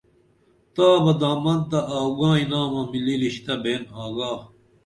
تا بہ دامن تہ اَوگائیں نامہ ملی رشتہ بین آگا